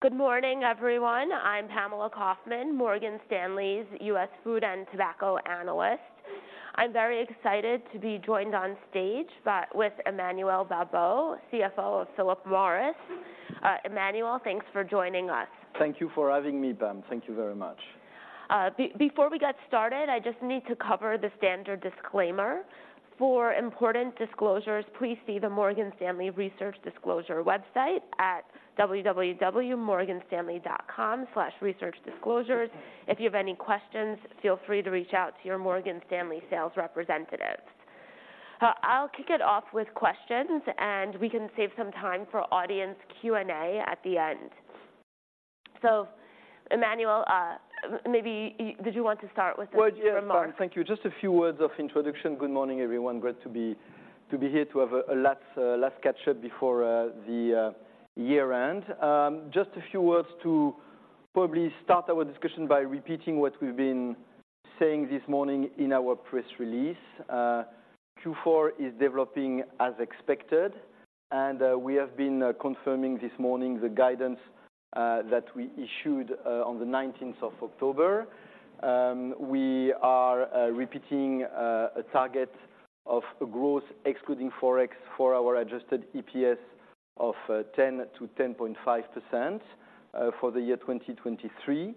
Good morning, everyone. I'm Pamela Kaufman, Morgan Stanley's U.S. food and tobacco analyst. I'm very excited to be joined on stage by with Emmanuel Babeau, CFO of Philip Morris. Emmanuel, thanks for joining us. Thank you for having me, Pam. Thank you very much. Before we get started, I just need to cover the standard disclaimer. For important disclosures, please see the Morgan Stanley Research Disclosure website at www.morganstanley.com/researchdisclosures. If you have any questions, feel free to reach out to your Morgan Stanley sales representative. I'll kick it off with questions, and we can save some time for audience Q&A at the end. So Emmanuel, maybe did you want to start with some remarks? Well, yeah, thank you. Just a few words of introduction. Good morning, everyone. Great to be here to have a last catch up before the year-end. Just a few words to probably start our discussion by repeating what we've been saying this morning in our press release. Q4 is developing as expected, and we have been confirming this morning the guidance that we issued on the nineteenth of October. We are repeating a target of a growth excluding Forex for our adjusted EPS of 10%-10.5% for the year 2023.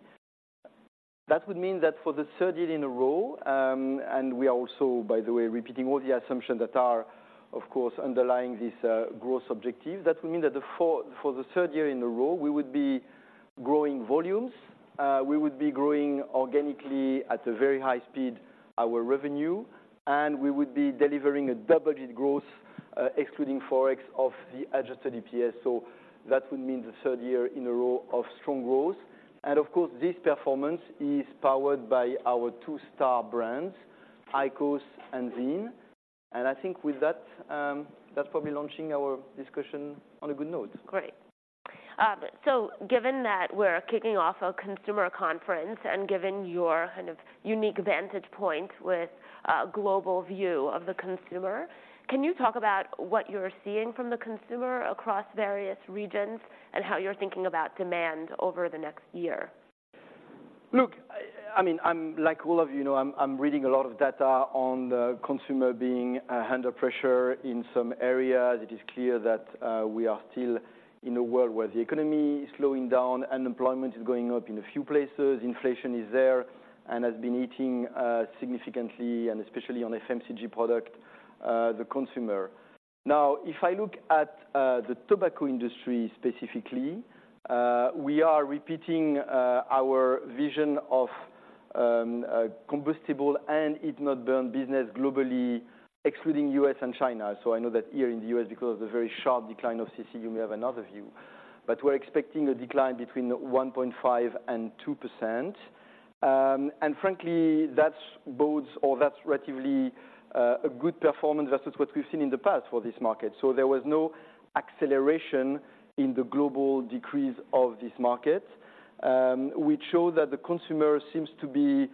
That would mean that for the third year in a row, and we are also, by the way, repeating all the assumptions that are, of course, underlying this growth objective. That would mean for the third year in a row, we would be growing volumes. We would be growing organically at a very high speed, our revenue, and we would be delivering a double-digit growth, excluding Forex, of the adjusted EPS. So that would mean the third year in a row of strong growth. Of course, this performance is powered by our two star brands, IQOS and ZYN. I think with that, that's probably launching our discussion on a good note. Great. So given that we're kicking off a consumer conference and given your, kind of, unique vantage point with a global view of the consumer, can you talk about what you're seeing from the consumer across various regions, and how you're thinking about demand over the next year? Look, I mean, I'm like all of you know, I'm reading a lot of data on the consumer being under pressure in some areas. It is clear that we are still in a world where the economy is slowing down, unemployment is going up in a few places, inflation is there and has been eating significantly, and especially on FMCG product the consumer. Now, if I look at the tobacco industry specifically, we are repeating our vision of combustible and heat-not-burn business globally, excluding U.S. and China. So I know that here in the U.S., because of the very sharp decline of CC, you may have another view. But we're expecting a decline between 1.5% and 2%. And frankly, that bodes or that's relatively, a good performance versus what we've seen in the past for this market. So there was no acceleration in the global decrease of this market, which show that the consumer seems to be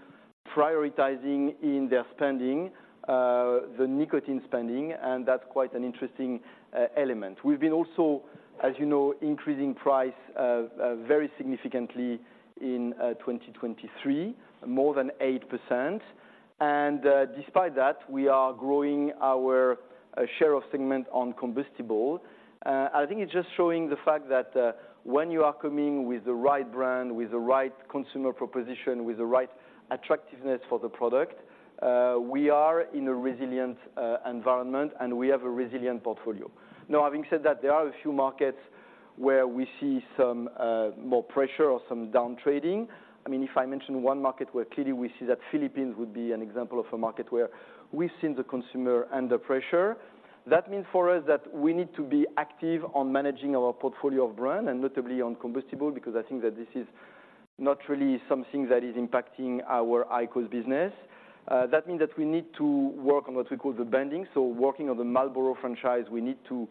prioritizing in their spending, the nicotine spending, and that's quite an interesting, element. We've been also, as you know, increasing price, very significantly in, 2023, more than 8%. And, despite that, we are growing our, share of segment on combustible. I think it's just showing the fact that, when you are coming with the right brand, with the right consumer proposition, with the right attractiveness for the product, we are in a resilient, environment, and we have a resilient portfolio. Now, having said that, there are a few markets where we see some more pressure or some down trading. I mean, if I mention one market where clearly we see that Philippines would be an example of a market where we've seen the consumer under pressure. That means for us that we need to be active on managing our portfolio of brand, and notably on combustible, because I think that this is not really something that is impacting our IQOS business. That means that we need to work on what we call the banding. So working on the Marlboro franchise, we need to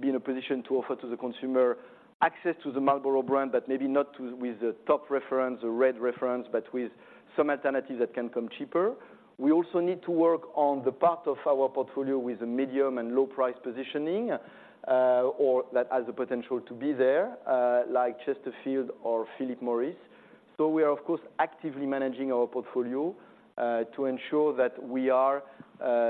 be in a position to offer to the consumer access to the Marlboro brand, but maybe not to with the top reference, a red reference, but with some alternative that can come cheaper. We also need to work on the part of our portfolio with a medium and low price positioning, or that has the potential to be there, like Chesterfield or Philip Morris. So we are, of course, actively managing our portfolio, to ensure that we are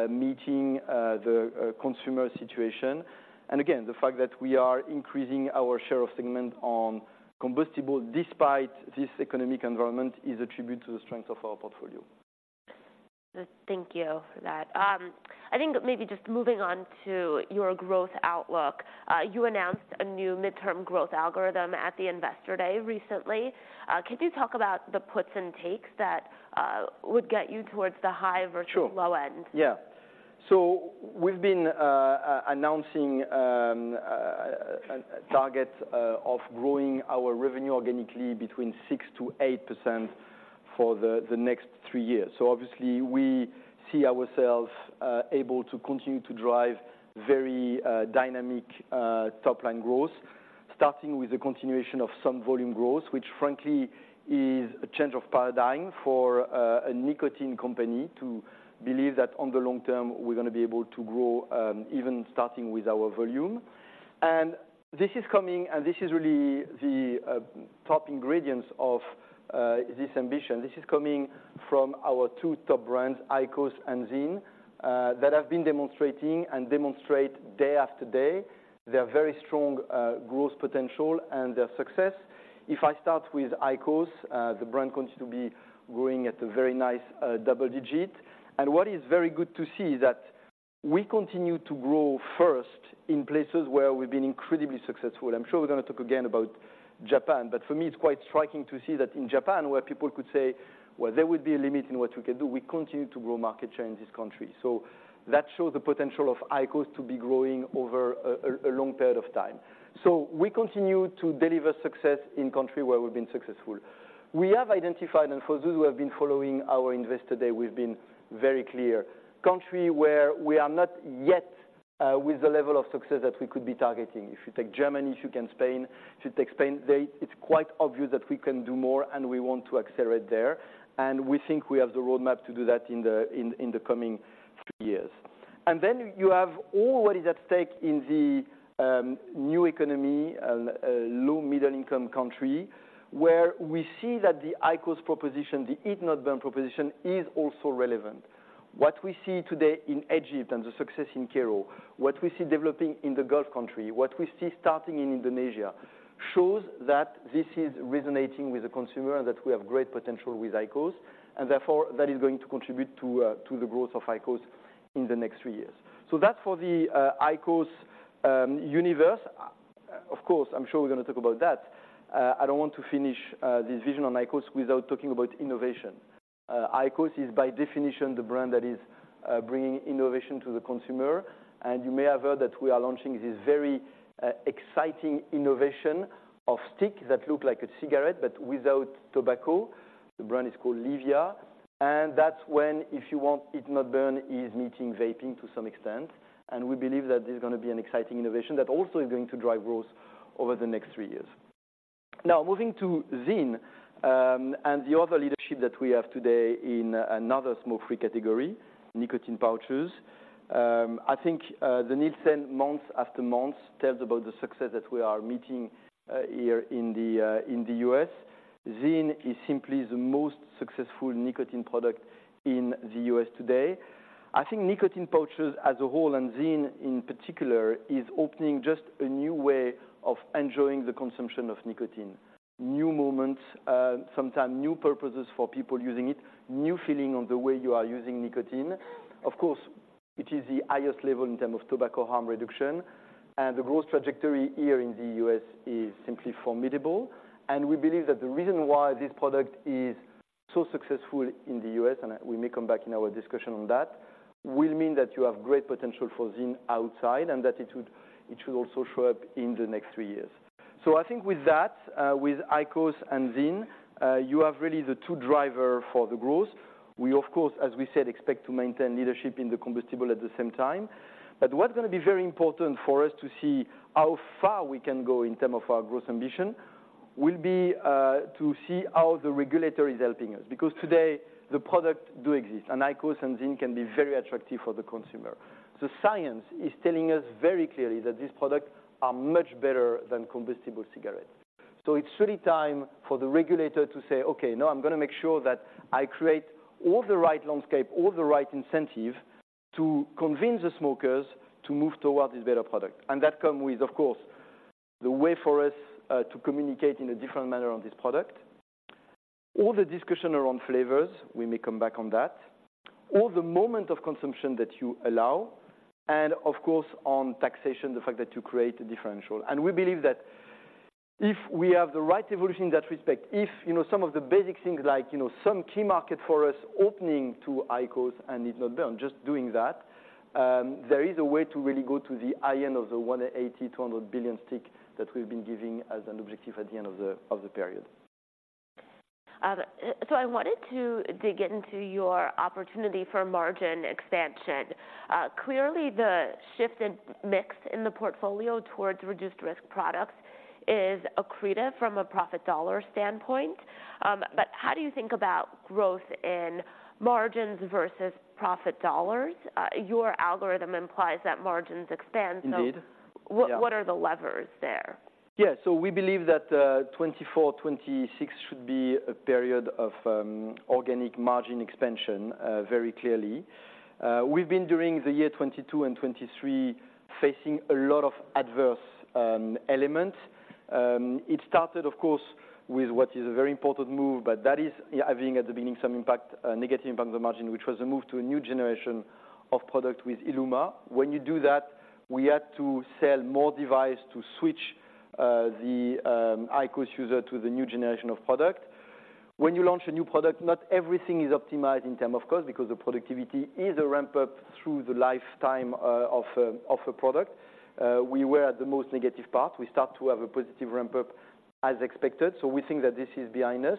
meeting the consumer situation. And again, the fact that we are increasing our share of segment on combustible despite this economic environment, is a tribute to the strength of our portfolio. Thank you for that. I think maybe just moving on to your growth outlook. You announced a new midterm growth algorithm at the Investor Day recently. Can you talk about the puts and takes that would get you towards the high versus- Sure... low end? Yeah. So we've been announcing a target of growing our revenue organically between 6%-8% for the next three years. So obviously, we see ourselves able to continue to drive very dynamic top-line growth, starting with a continuation of some volume growth, which frankly, is a change of paradigm for a nicotine company to believe that on the long-term, we're gonna be able to grow, even starting with our volume. And this is coming, and this is really the top ingredients of this ambition. This is coming from our two top brands, IQOS and ZYN, that have been demonstrating and demonstrate day after day, their very strong growth potential and their success. If I start with IQOS, the brand continues to be growing at a very nice double-digit. What is very good to see is that we continue to grow first in places where we've been incredibly successful. I'm sure we're gonna talk again about Japan, but for me, it's quite striking to see that in Japan, where people could say, well, there would be a limit in what we can do, we continue to grow market share in this country. So that shows the potential of IQOS to be growing over a long period of time. So we continue to deliver success in country where we've been successful. We have identified, and for those who have been following our Investor Day, we've been very clear. Country where we are not yet with the level of success that we could be targeting. If you take Germany, if you take Spain, if you take Spain, it's quite obvious that we can do more, and we want to accelerate there. And we think we have the roadmap to do that in the coming three years. And then you have all what is at stake in the new economy and low middle-income country, where we see that the IQOS proposition, the heat-not-burn proposition, is also relevant. What we see today in Egypt and the success in Cairo, what we see developing in the Gulf country, what we see starting in Indonesia, shows that this is resonating with the consumer and that we have great potential with IQOS, and therefore, that is going to contribute to the growth of IQOS in the next three years. So that's for the IQOS universe. Of course, I'm sure we're gonna talk about that. I don't want to finish this vision on IQOS without talking about innovation. IQOS is by definition the brand that is bringing innovation to the consumer. And you may have heard that we are launching this very exciting innovation of stick that look like a cigarette, but without tobacco. The brand is called LEVIA, and that's when, if you want, heat-not-burn is meeting vaping to some extent. And we believe that this is gonna be an exciting innovation that also is going to drive growth over the next three years. Now, moving to ZYN, and the other leadership that we have today in another smoke-free category, nicotine pouches. I think the Nielsen month after month tells about the success that we are meeting here in the U.S. ZYN is simply the most successful nicotine product in the U.S. today. I think nicotine pouches as a whole, and ZYN in particular, is opening just a new way of enjoying the consumption of nicotine. New moments, sometime new purposes for people using it, new feeling on the way you are using nicotine. Of course, it is the highest level in term of tobacco harm reduction, and the growth trajectory here in the U.S. is simply formidable. And we believe that the reason why this product is so successful in the U.S., and we may come back in our discussion on that, will mean that you have great potential for ZYN outside, and that it would, it should also show up in the next three years. So I think with that, with IQOS and ZYN, you have really the two driver for the growth. We, of course, as we said, expect to maintain leadership in the combustible at the same time. But what's gonna be very important for us to see how far we can go in term of our growth ambition, will be, to see how the regulator is helping us. Because today, the product do exist, and IQOS and ZYN can be very attractive for the consumer. So science is telling us very clearly that these products are much better than combustible cigarettes. So it's really time for the regulator to say, "Okay, now I'm gonna make sure that I create all the right landscape, all the right incentive to convince the smokers to move towards this better product." And that come with, of course, the way for us, to communicate in a different manner on this product. All the discussion around flavors, we may come back on that. All the moment of consumption that you allow, and of course, on taxation, the fact that you create a differential. We believe that if we have the right evolution in that respect, if, you know, some of the basic things like, you know, some key market for us opening to IQOS and heat-not-burn, just doing that, there is a way to really go to the high end of the 100-200 billion stick that we've been giving as an objective at the end of the period. So I wanted to dig into your opportunity for margin expansion. Clearly, the shift in mix in the portfolio towards reduced risk products is accretive from a profit dollar standpoint. But how do you think about growth in margins versus profit dollars? Your algorithm implies that margins expand. Indeed. So- Yeah. What, what are the levers there? Yeah. So we believe that, 2024, 2026 should be a period of organic margin expansion, very clearly. We've been, during the year 2022 and 2023, facing a lot of adverse elements. It started, of course, with what is a very important move, but that is having at the beginning, some impact, a negative impact on the margin, which was a move to a new generation of product with ILUMA. When you do that, we had to sell more device to switch the IQOS user to the new generation of product. When you launch a new product, not everything is optimized in term of cost, because the productivity is a ramp-up through the lifetime of a product. We were at the most negative part. We start to have a positive ramp-up as expected, so we think that this is behind us.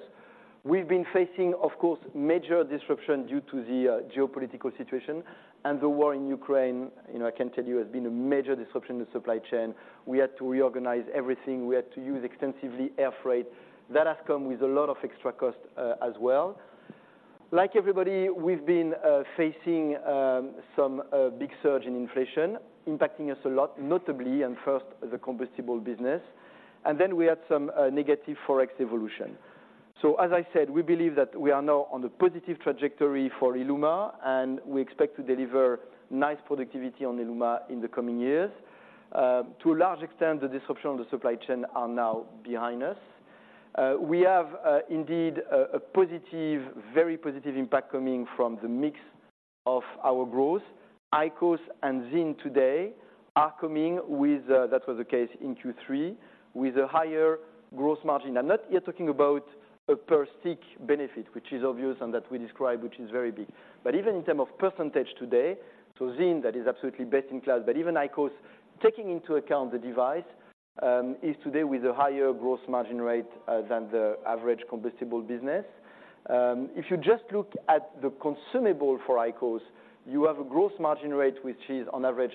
We've been facing, of course, major disruption due to the geopolitical situation, and the war in Ukraine, you know, I can tell you, has been a major disruption in the supply chain. We had to reorganize everything. We had to use extensively air freight. That has come with a lot of extra cost, as well. Like everybody, we've been facing some big surge in inflation, impacting us a lot, notably and first, the combustible business, and then we had some negative Forex evolution. So as I said, we believe that we are now on a positive trajectory for ILUMA, and we expect to deliver nice productivity on ILUMA in the coming years. To a large extent, the disruption on the supply chain are now behind us. We have indeed a positive, very positive impact coming from the mix of our growth. IQOS and ZYN today are coming with, that was the case in Q3, with a higher gross margin. I'm not here talking about a per stick benefit, which is obvious, and that we describe, which is very big. But even in terms of percentage today, so ZYN, that is absolutely best-in-class, but even IQOS, taking into account the device, is today with a higher gross margin rate than the average combustible business. If you just look at the consumable for IQOS, you have a gross margin rate, which is on average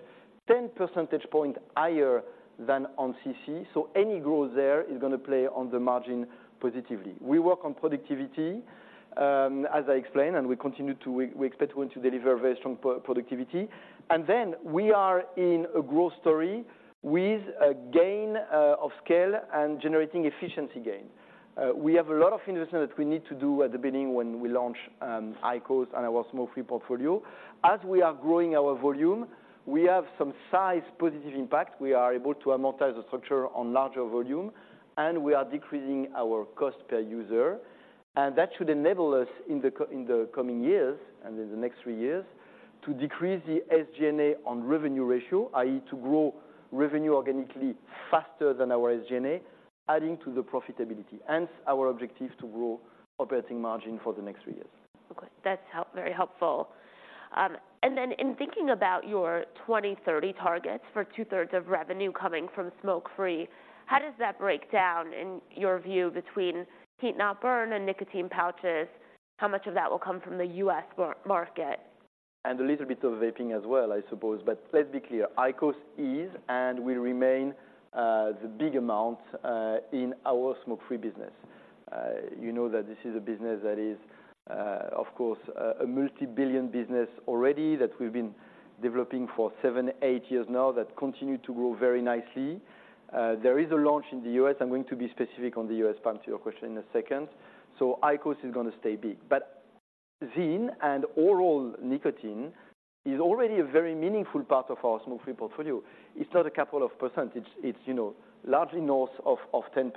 10 percentage points higher than on CC. So any growth there is gonna play on the margin positively. We work on productivity, as I explained, and we continue to expect to want to deliver very strong pro-productivity. And then we are in a growth story with a gain of scale and generating efficiency gain. We have a lot of investment that we need to do at the beginning when we launch IQOS and our smoke-free portfolio. As we are growing our volume, we have some size positive impact. We are able to amortize the structure on larger volume, and we are decreasing our cost per user, and that should enable us in the coming years, and in the next three years, to decrease the SG&A on revenue ratio, i.e., to grow revenue organically faster than our SG&A, adding to the profitability and our objective to grow operating margin for the next three years. Okay. That's very helpful. And then in thinking about your 2030 targets for two-thirds of revenue coming from smoke-free, how does that break down, in your view, between heat-not-burn and nicotine pouches? How much of that will come from the U.S. market? A little bit of vaping as well, I suppose. But let's be clear, IQOS is and will remain the big amount in our smoke-free business. You know that this is a business that is, of course, a multi-billion business already, that we've been developing for seven, eight years now, that continue to grow very nicely. There is a launch in the U.S. I'm going to be specific on the U.S. part to your question in a second. So IQOS is gonna stay big. But ZYN and oral nicotine is already a very meaningful part of our smoke-free portfolio. It's not a couple of percentage. It's, you know, largely north of 10%.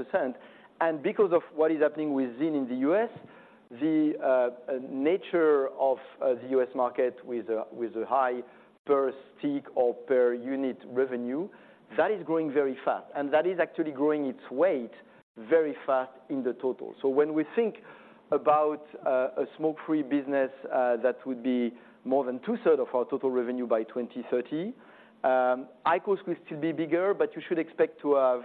Because of what is happening with ZYN in the U.S., the nature of the U.S. market with a high per stick or per unit revenue, that is growing very fast, and that is actually growing its weight very fast in the total. So when we think about a smoke-free business that would be more than two-thirds of our total revenue by 2030, IQOS will still be bigger, but you should expect to have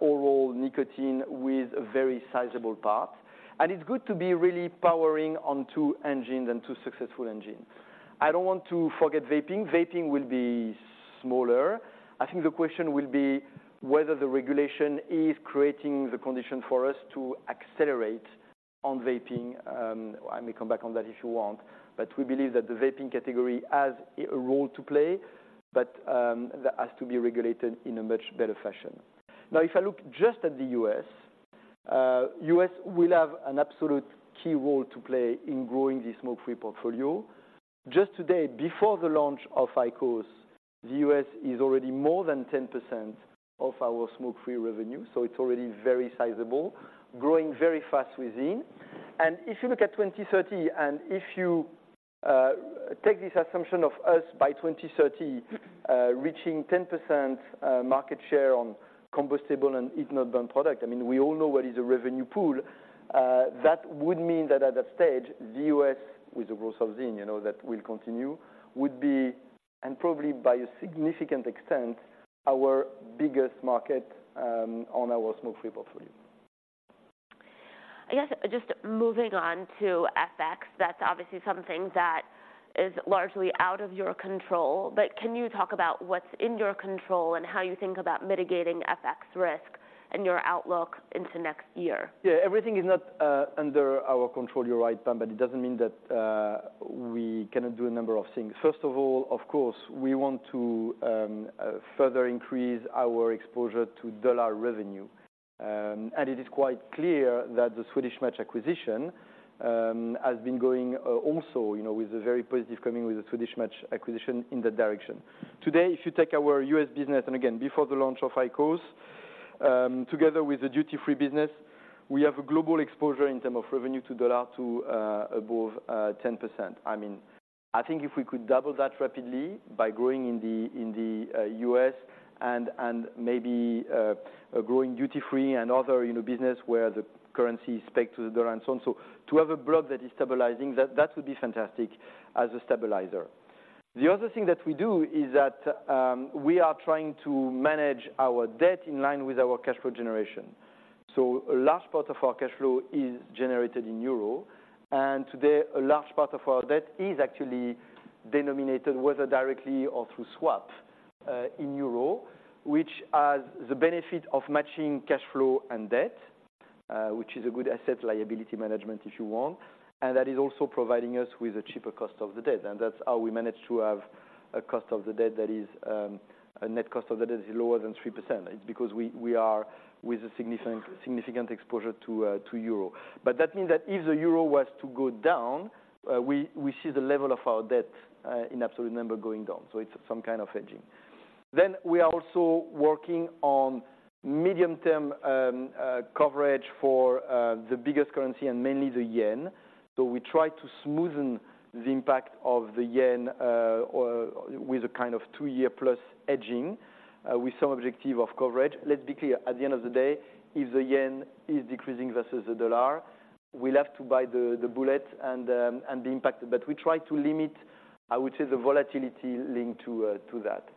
oral nicotine with a very sizable part. And it's good to be really powering on two engines and two successful engines. I don't want to forget vaping. Vaping will be smaller. I think the question will be whether the regulation is creating the condition for us to accelerate on vaping. I may come back on that if you want, but we believe that the vaping category has a role to play, but that has to be regulated in a much better fashion. Now, if I look just at the U.S., the U.S. will have an absolute key role to play in growing the smoke-free portfolio. Just today, before the launch of IQOS, the U.S. is already more than 10% of our smoke-free revenue, so it's already very sizable, growing very fast with ZYN. And if you look at 2030, and if you take this assumption of us by 2030 reaching 10% market share on combustible and heat-not-burn product, I mean, we all know what is a revenue pool. That would mean that at that stage, the U.S., with the growth of ZYN, you know, that will continue, would be, and probably by a significant extent, our biggest market on our smoke-free portfolio. I guess just moving on to FX, that's obviously something that is largely out of your control, but can you talk about what's in your control and how you think about mitigating FX risk and your outlook into next year? Yeah, everything is not under our control, you're right, Pam, but it doesn't mean that we cannot do a number of things. First of all, of course, we want to further increase our exposure to dollar revenue. And it is quite clear that the Swedish Match acquisition has been going also, you know, with a very positive coming with the Swedish Match acquisition in that direction. Today, if you take our U.S. business, and again, before the launch of IQOS, together with the duty-free business, we have a global exposure in term of revenue to dollar to above 10%. I mean, I think if we could double that rapidly by growing in the, in the U.S. and, and maybe growing duty-free and other, you know, business where the currency is pegged to the dollar and so on. So to have a block that is stabilizing, that would be fantastic as a stabilizer. The other thing that we do is that we are trying to manage our debt in line with our cash flow generation. So a large part of our cash flow is generated in euro, and today, a large part of our debt is actually denominated, whether directly or through swap in euro, which has the benefit of matching cash flow and debt, which is a good asset liability management, if you want. And that is also providing us with a cheaper cost of the debt, and that's how we manage to have a cost of the debt that is a net cost of the debt is lower than 3%. It's because we are with a significant exposure to euro. But that means that if the euro was to go down, we, we see the level of our debt, in absolute number going down, so it's some kind of hedging. Then we are also working on medium-term, coverage for, the biggest currency and mainly the yen. So we try to smoothen the impact of the yen, or with a kind of 2-year plus hedging, with some objective of coverage. Let's be clear, at the end of the day, if the yen is decreasing versus the dollar, we'll have to bitethe, the bullet and, and the impact. But we try to limit, I would say, the volatility linked to, to that.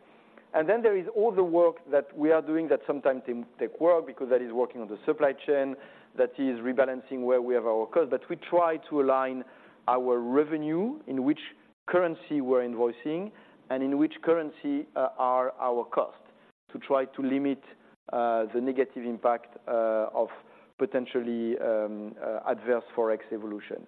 And then there is all the work that we are doing that sometimes take work, because that is working on the supply chain, that is rebalancing where we have our costs. But we try to align our revenue, in which currency we're invoicing and in which currency are our costs, to try to limit the negative impact of potentially adverse Forex evolution.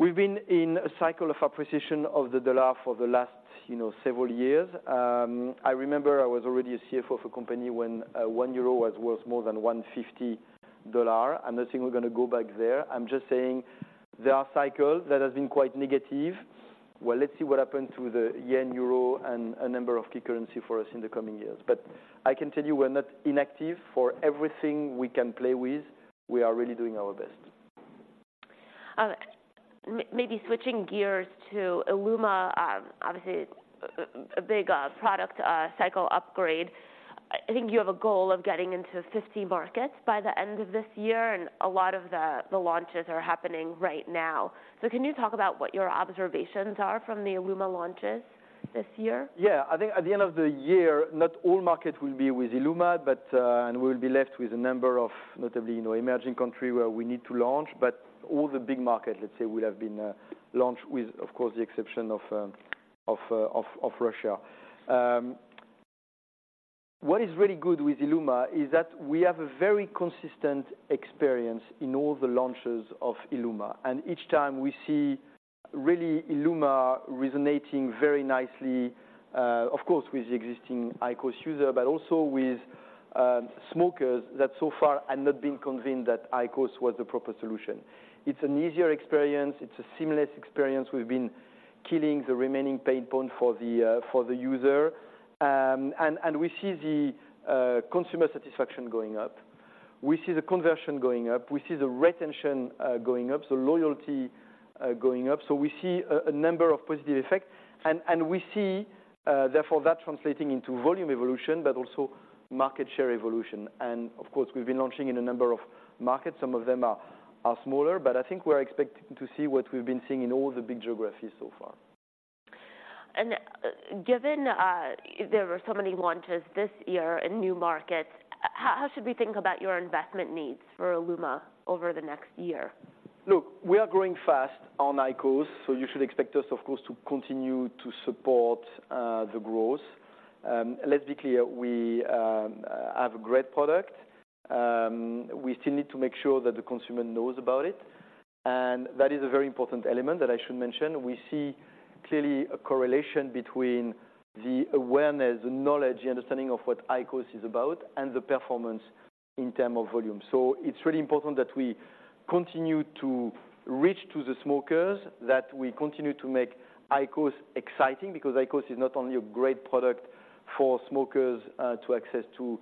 We've been in a cycle of appreciation of the dollar for the last, you know, several years. I remember I was already a CFO of a company when 1 euro was worth more than $1.50. I'm not saying we're gonna go back there. I'm just saying there are cycles that have been quite negative. Well, let's see what happens to the yen, euro, and a number of key currency for us in the coming years. I can tell you, we're not inactive. For everything we can play with, we are really doing our best. Maybe switching gears to ILUMA, obviously, a big product cycle upgrade. I think you have a goal of getting into 50 markets by the end of this year, and a lot of the launches are happening right now. So can you talk about what your observations are from the ILUMA launches this year? Yeah. I think at the end of the year, not all markets will be with ILUMA, but and we'll be left with a number of notably, you know, emerging country where we need to launch. But all the big markets, let's say, will have been launched with, of course, the exception of Russia. What is really good with ILUMA is that we have a very consistent experience in all the launches of ILUMA, and each time we see really ILUMA resonating very nicely, of course, with the existing IQOS user, but also with smokers that so far have not been convinced that IQOS was the proper solution. It's an easier experience. It's a seamless experience. We've been killing the remaining pain point for the user. And we see the consumer satisfaction going up. We see the conversion going up. We see the retention going up, so loyalty going up. So we see a number of positive effects, and we see therefore that translating into volume evolution, but also market share evolution. Of course, we've been launching in a number of markets. Some of them are smaller, but I think we're expecting to see what we've been seeing in all the big geographies so far. And, given there were so many launches this year in new markets, how, how should we think about your investment needs for ILUMA over the next year? Look, we are growing fast on IQOS, so you should expect us, of course, to continue to support the growth. Let's be clear, we have a great product. We still need to make sure that the consumer knows about it, and that is a very important element that I should mention. We see clearly a correlation between the awareness, the knowledge, the understanding of what IQOS is about, and the performance in term of volume. So it's really important that we continue to reach to the smokers, that we continue to make IQOS exciting, because IQOS is not only a great product for smokers to access to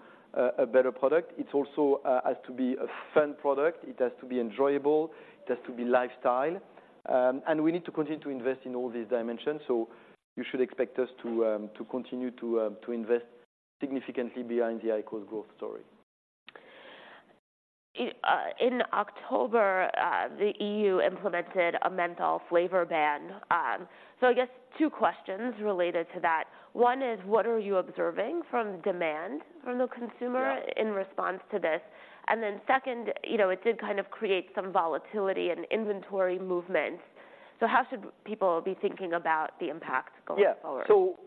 a better product, it also has to be a fun product. It has to be enjoyable, it has to be lifestyle. We need to continue to invest in all these dimensions, so you should expect us to continue to invest significantly behind the IQOS growth story. In October, the EU implemented a menthol flavor ban. So I guess two questions related to that. One is, what are you observing from demand from the consumer- Yeah... in response to this? And then second, you know, it did kind of create some volatility and inventory movement. So how should people be thinking about the impact going forward? Yeah. So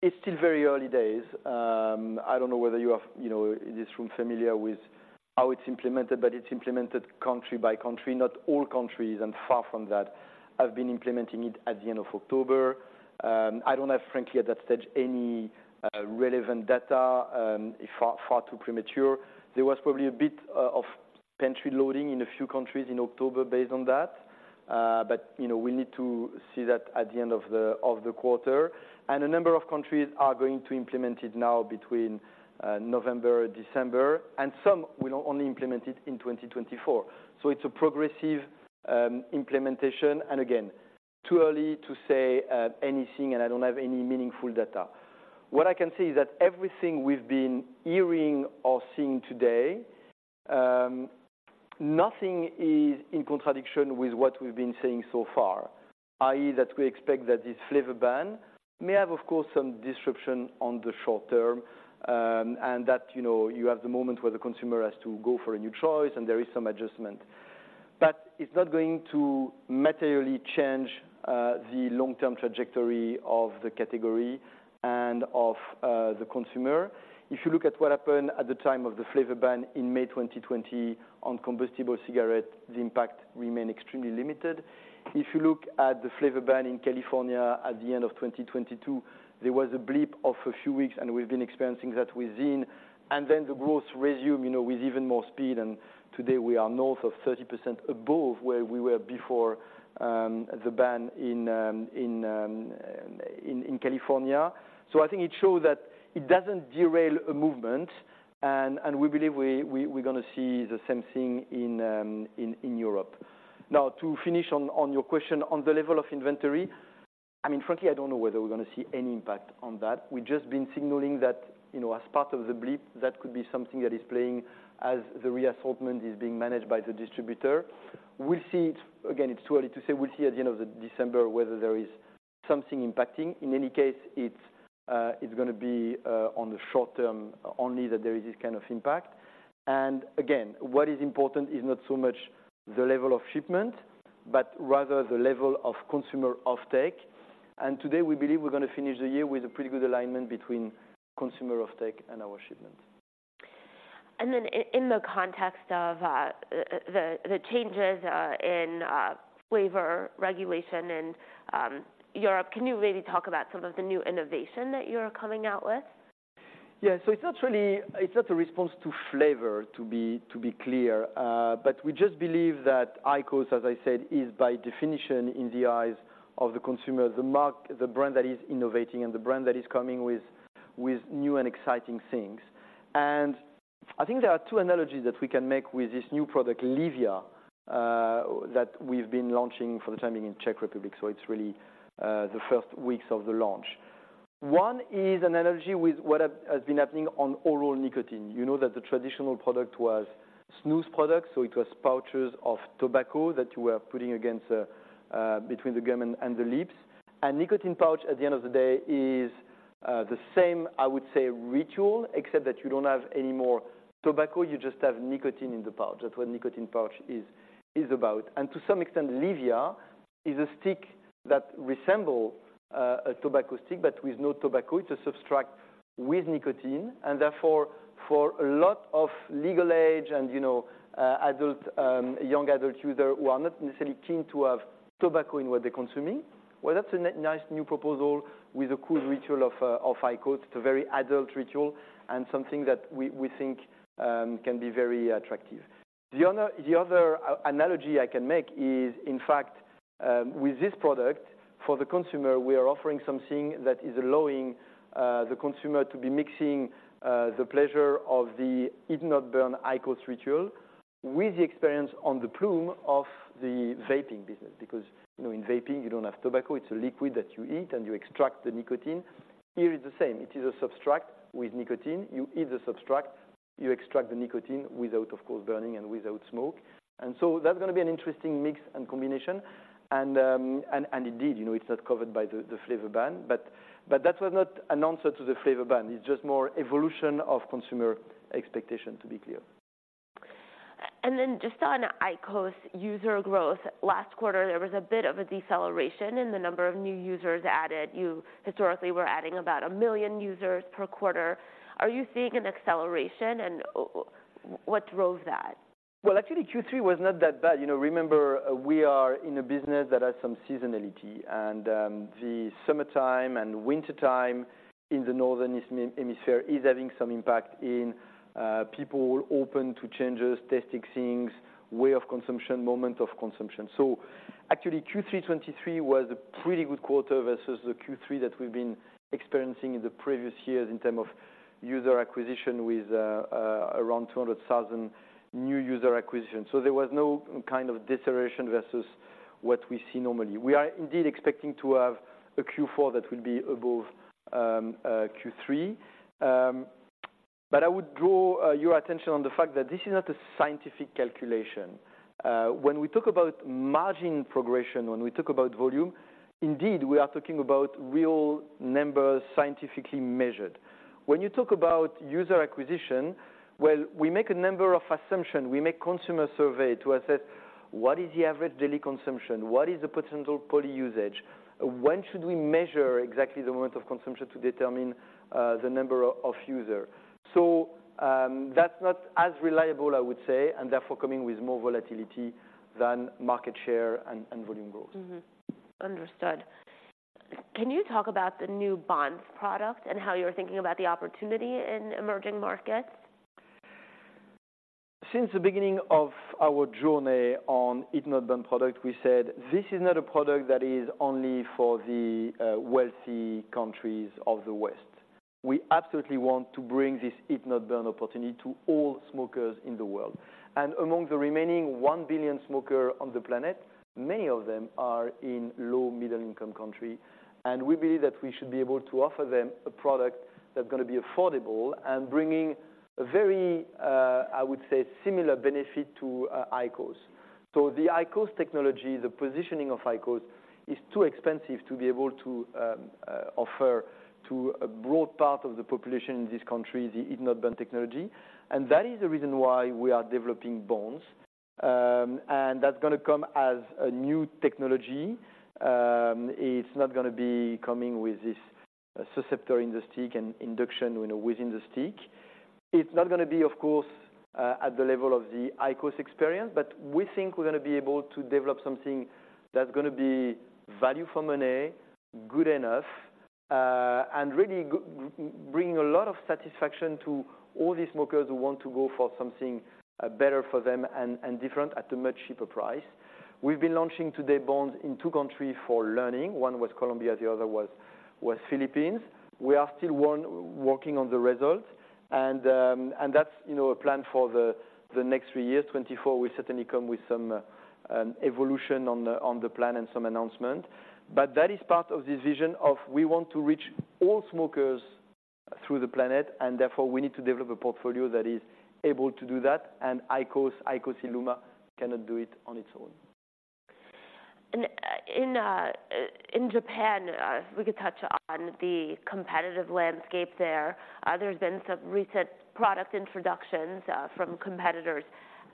it's still very early days. I don't know whether you are, you know, in this room, familiar with how it's implemented, but it's implemented country by country. Not all countries, and far from that, have been implementing it at the end of October. I don't have, frankly, at that stage, any relevant data. It's far, far too premature. There was probably a bit of pantry loading in a few countries in October based on that. But, you know, we need to see that at the end of the quarter. And a number of countries are going to implement it now between November, December, and some will only implement it in 2024. So it's a progressive implementation, and again, too early to say anything, and I don't have any meaningful data. What I can say is that everything we've been hearing or seeing today, nothing is in contradiction with what we've been saying so far. I.e., that we expect that this flavor ban may have, of course, some disruption on the short term, and that, you know, you have the moment where the consumer has to go for a new choice, and there is some adjustment... but it's not going to materially change, the long-term trajectory of the category and of, the consumer. If you look at what happened at the time of the flavor ban in May 2020 on combustible cigarettes, the impact remained extremely limited. If you look at the flavor ban in California at the end of 2022, there was a blip of a few weeks, and we've been experiencing that within, and then the growth resumed, you know, with even more speed, and today we are north of 30% above where we were before the ban in California. So I think it shows that it doesn't derail a movement, and we believe we're gonna see the same thing in Europe. Now, to finish on your question, on the level of inventory, I mean, frankly, I don't know whether we're gonna see any impact on that. We've just been signaling that, you know, as part of the blip, that could be something that is playing as the reassortment is being managed by the distributor. We'll see it... Again, it's too early to say. We'll see at the end of the December whether there is something impacting. In any case, it's, it's gonna be, on the short term only that there is this kind of impact. And again, what is important is not so much the level of shipment, but rather the level of consumer offtake. And today, we believe we're gonna finish the year with a pretty good alignment between consumer offtake and our shipment. And then in the context of the changes in flavor regulation in Europe, can you maybe talk about some of the new innovation that you're coming out with? Yeah. So it's not a response to flavor, to be clear. But we just believe that IQOS, as I said, is by definition, in the eyes of the consumer, the mark, the brand that is innovating and the brand that is coming with new and exciting things. And I think there are two analogies that we can make with this new product, LEVIA, that we've been launching for the time being in Czech Republic. So it's really the first weeks of the launch. One is an analogy with what has been happening on oral nicotine. You know that the traditional product was snus product, so it was pouches of tobacco that you were putting between the gum and the lips. And nicotine pouch, at the end of the day, is the same, I would say, ritual, except that you don't have any more tobacco, you just have nicotine in the pouch. That's what nicotine pouch is about. And to some extent, LEVIA is a stick that resemble a tobacco stick, but with no tobacco, it's a substrate with nicotine, and therefore, for a lot of legal age and, you know, adult, young adult user who are not necessarily keen to have tobacco in what they're consuming, well, that's a nice new proposal with a cool ritual of IQOS. It's a very adult ritual and something that we, we think, can be very attractive. The other analogy I can make is, in fact, with this product, for the consumer, we are offering something that is allowing the consumer to be mixing the pleasure of the heat-not-burn IQOS ritual with the experience on the plume of the vaping business. Because, you know, in vaping, you don't have tobacco, it's a liquid that you eat and you extract the nicotine. Here is the same, it is a substrate with nicotine. You eat the substrate, you extract the nicotine without, of course, burning and without smoke. And so that's gonna be an interesting mix and combination. And indeed, you know, it's not covered by the flavor ban, but that was not an answer to the flavor ban. It's just more evolution of consumer expectation, to be clear. And then just on IQOS user growth. Last quarter, there was a bit of a deceleration in the number of new users added. You historically were adding about 1 million users per quarter. Are you seeing an acceleration, and what drove that? Well, actually, Q3 was not that bad. You know, remember, we are in a business that has some seasonality, and the summertime and wintertime in the northern hemisphere is having some impact in people open to changes, testing things, way of consumption, moment of consumption. So actually, Q3 2023 was a pretty good quarter versus the Q3 that we've been experiencing in the previous years in term of user acquisition, with around 200,000 new user acquisition. So there was no kind of deceleration versus what we see normally. We are indeed expecting to have a Q4 that will be above Q3. But I would draw your attention on the fact that this is not a scientific calculation. When we talk about margin progression, when we talk about volume, indeed, we are talking about real numbers, scientifically measured. When you talk about user acquisition, well, we make a number of assumptions. We make consumer survey to assess what is the average daily consumption? What is the potential poly usage? When should we measure exactly the amount of consumption to determine the number of user? So, that's not as reliable, I would say, and therefore coming with more volatility than market share and volume growth. Mm-hmm. Understood. Can you talk about the new BONDS product and how you're thinking about the opportunity in emerging markets? Since the beginning of our journey on heat-not-burn product, we said, "This is not a product that is only for the wealthy countries of the West. We absolutely want to bring this heat-not-burn opportunity to all smokers in the world." And among the remaining 1 billion smoker on the planet, many of them are in low-middle-income country, and we believe that we should be able to offer them a product that's gonna be affordable and bringing a very, I would say, similar benefit to IQOS. So the IQOS technology, the positioning of IQOS, is too expensive to be able to offer to a broad part of the population in this country, the heat-not-burn technology. And that is the reason why we are developing BONDS. And that's gonna come as a new technology. It's not gonna be coming with this susceptor in the stick and induction, you know, within the stick. It's not gonna be, of course, at the level of the IQOS experience, but we think we're gonna be able to develop something that's gonna be value for money, good enough, and really bringing a lot of satisfaction to all these smokers who want to go for something, better for them and, and different at a much cheaper price. We've been launching today BONDS in two countries for learning. One was Colombia, the other was, was Philippines. We are still working on the results, and, and that's, you know, a plan for the, the next three years. 2024, we certainly come with some, evolution on the, on the plan and some announcement. That is part of the vision of we want to reach all smokers through the planet, and therefore, we need to develop a portfolio that is able to do that, and IQOS, IQOS ILUMA cannot do it on its own. In Japan, if we could touch on the competitive landscape there. There's been some recent product introductions from competitors.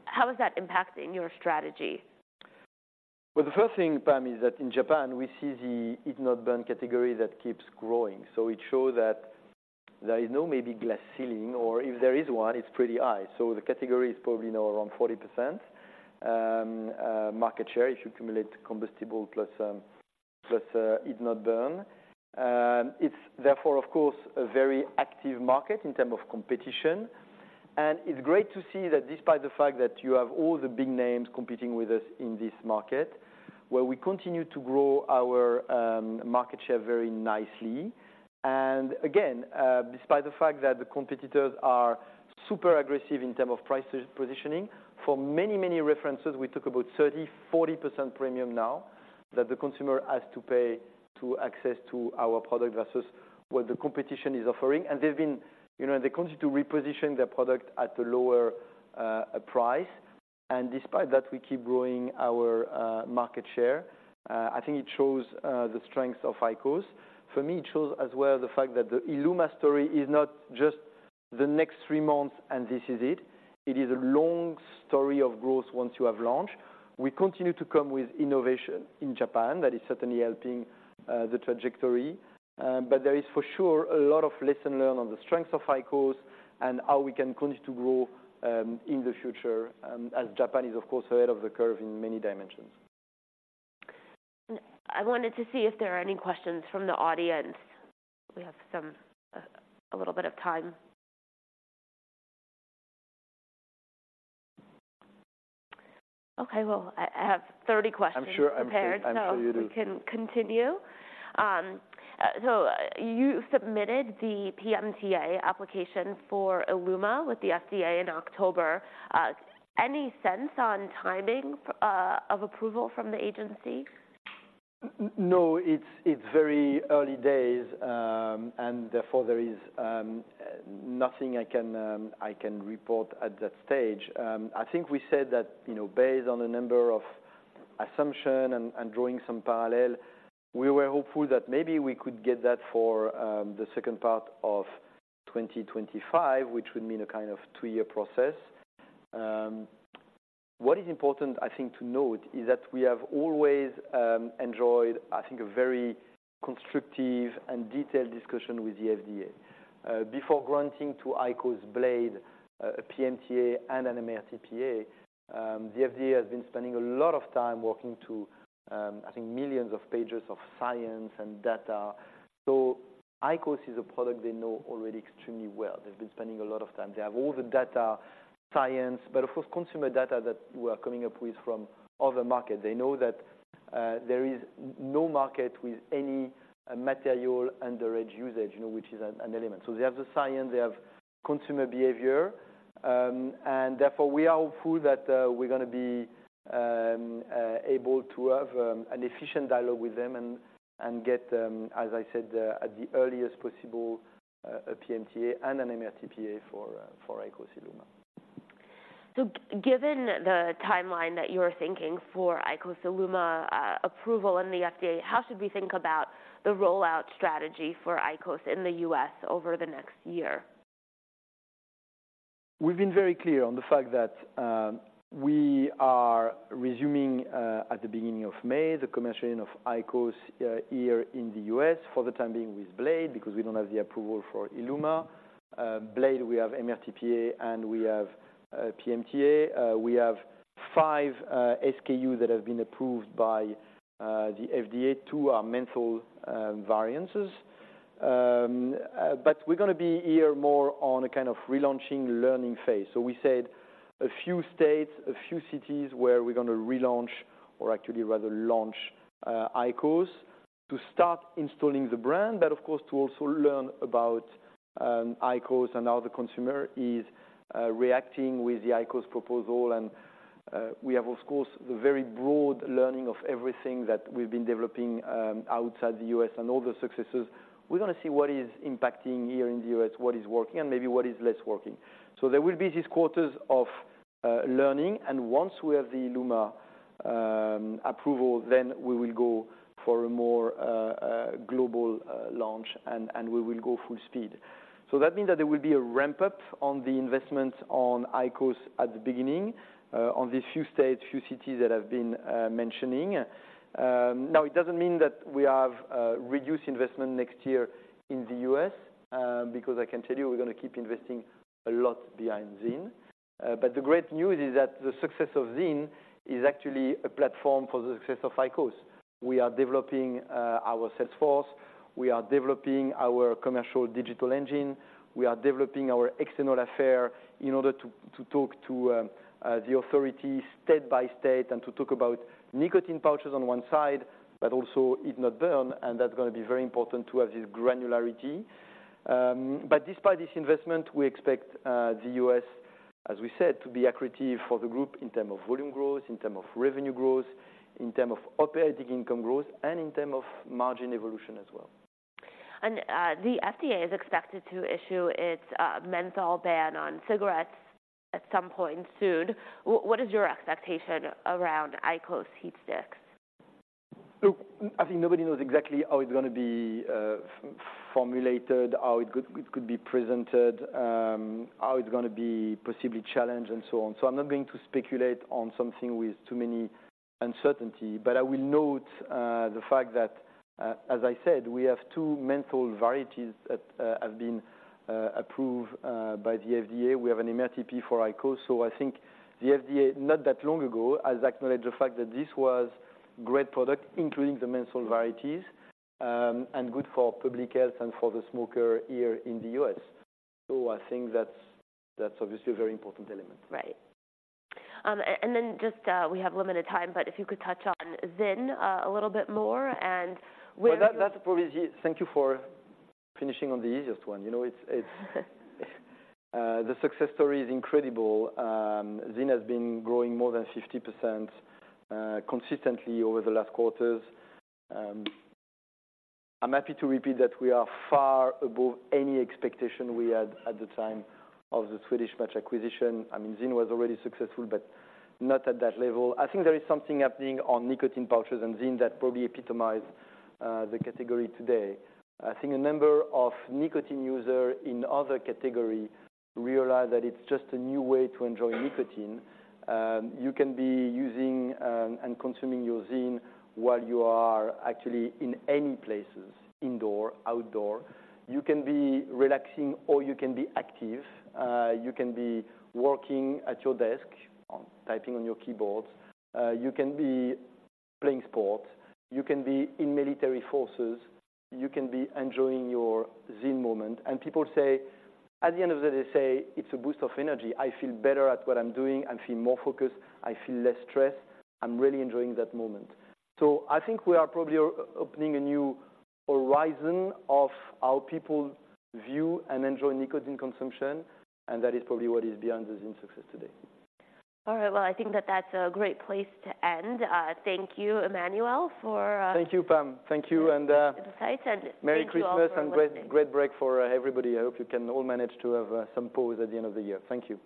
How is that impacting your strategy? Well, the first thing, Pam, is that in Japan, we see the heat-not-burn category that keeps growing. So it shows that there is no maybe glass ceiling, or if there is one, it's pretty high. So the category is probably now around 40% market share. If you cumulate combustible plus plus heat-not-burn. It's therefore, of course, a very active market in terms of competition. And it's great to see that despite the fact that you have all the big names competing with us in this market, where we continue to grow our market share very nicely. And again, despite the fact that the competitors are super aggressive in term of price positioning, for many, many references, we talk about 30%-40% premium now that the consumer has to pay to access to our product versus what the competition is offering. And they've been... You know, and they continue to reposition their product at a lower price. And despite that, we keep growing our market share. I think it shows the strength of IQOS. For me, it shows as well the fact that the ILUMA story is not just the next three months, and this is it. It is a long story of growth once you have launched. We continue to come with innovation in Japan. That is certainly helping the trajectory. There is for sure a lot of lesson learned on the strength of IQOS and how we can continue to grow in the future, as Japan is, of course, ahead of the curve in many dimensions. I wanted to see if there are any questions from the audience. We have some, a little bit of time. Okay, well, I have 30 questions- I'm sure, I'm sure you do. -prepared, so we can continue. So you submitted the PMTA application for ILUMA with the FDA in October. Any sense on timing of approval from the agency? No, it's very early days, and therefore, there is nothing I can report at that stage. I think we said that, you know, based on a number of assumption and drawing some parallel, we were hopeful that maybe we could get that for the second part of 2025, which would mean a kind of two-year process. What is important, I think, to note, is that we have always enjoyed, I think, a very constructive and detailed discussion with the FDA. Before granting to IQOS Blade a PMTA and an MRTPA, the FDA has been spending a lot of time working to, I think, millions of pages of science and data. So IQOS is a product they know already extremely well. They've been spending a lot of time. They have all the data, science, but of course, consumer data that we're coming up with from other market. They know that there is no market with any material underage usage, you know, which is an element. So they have the science, they have consumer behavior, and therefore, we are hopeful that we're gonna be able to have an efficient dialogue with them and get, as I said, at the earliest possible PMTA and an MRTPA for IQOS ILUMA. Given the timeline that you are thinking for IQOS ILUMA approval in the FDA, how should we think about the rollout strategy for IQOS in the U.S. over the next year? We've been very clear on the fact that we are resuming at the beginning of May the commissioning of IQOS here in the U.S. for the time being with Blade, because we don't have the approval for ILUMA. Blade, we have MRTPA, and we have PMTA. We have five SKU that have been approved by the FDA. Two are menthol variances. But we're gonna be here more on a kind of relaunching, learning phase. So we said a few states, a few cities, where we're gonna relaunch or actually rather launch IQOS, to start installing the brand, but of course, to also learn about IQOS and how the consumer is reacting with the IQOS proposal. And, we have, of course, the very broad learning of everything that we've been developing, outside the U.S. and all the successes. We're gonna see what is impacting here in the U.S., what is working and maybe what is less working. So there will be these quarters of, learning, and once we have the ILUMA, approval, then we will go for a more, global, launch, and, and we will go full speed. So that means that there will be a ramp-up on the investment on IQOS at the beginning, on the few states, few cities that I've been, mentioning. Now, it doesn't mean that we have, reduced investment next year in the U.S., because I can tell you we're gonna keep investing a lot behind ZYN. But the great news is that the success of ZYN is actually a platform for the success of IQOS. We are developing our sales force. We are developing our commercial digital engine. We are developing our external affairs in order to talk to the authorities state by state and to talk about nicotine pouches on one side, but also heat-not-burn, and that's gonna be very important to have this granularity. But despite this investment, we expect the U.S., as we said, to be accretive for the group in term of volume growth, in term of revenue growth, in term of operating income growth, and in term of margin evolution as well. The FDA is expected to issue its menthol ban on cigarettes at some point soon. What is your expectation around IQOS HEETS? Look, I think nobody knows exactly how it's gonna be formulated, how it could be presented, how it's gonna be possibly challenged, and so on. So I'm not going to speculate on something with too many uncertainty. But I will note the fact that, as I said, we have two menthol varieties that have been approved by the FDA. We have an MRTP for IQOS. So I think the FDA, not that long ago, has acknowledged the fact that this was great product, including the menthol varieties, and good for public health and for the smoker here in the U.S. So I think that's obviously a very important element. Right. And then just, we have limited time, but if you could touch on ZYN, a little bit more, and where- Well, that's probably the... Thank you for finishing on the easiest one. You know, it's the success story is incredible. ZYN has been growing more than 50%, consistently over the last quarters. I'm happy to repeat that we are far above any expectation we had at the time of the Swedish Match acquisition. I mean, ZYN was already successful, but not at that level. I think there is something happening on nicotine pouches and ZYN that probably epitomize the category today. I think a number of nicotine user in other category realize that it's just a new way to enjoy nicotine. You can be using and consuming your ZYN while you are actually in any places, indoor, outdoor. You can be relaxing or you can be active. You can be working at your desk, typing on your keyboards. You can be playing sport. You can be in military forces. You can be enjoying your ZYN moment. And people say, at the end of the day, they say, "It's a boost of energy. I feel better at what I'm doing. I feel more focused. I feel less stressed. I'm really enjoying that moment." So I think we are probably opening a new horizon of how people view and enjoy nicotine consumption, and that is probably what is behind the ZYN success today. All right. Well, I think that that's a great place to end. Thank you, Emmanuel, for... Thank you, Pam. Thank you, and, Insights, and thank you all for listening. Merry Christmas and great, great break for everybody. I hope you can all manage to have some pause at the end of the year. Thank you.